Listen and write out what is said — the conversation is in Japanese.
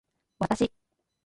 わたし